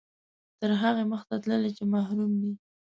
تر هغو مخته تللي چې محروم دي.